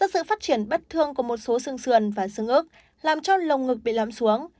do sự phát triển bất thường của một số xương xườn và xương ức làm cho lông ngực bị lắm xuống